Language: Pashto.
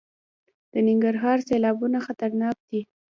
د ننګرهار سیلابونه خطرناک دي